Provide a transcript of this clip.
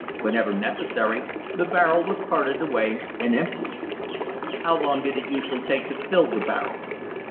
Whenever necessary, the barrel was carted away and emptied. How long did it usually take to fill the barrel?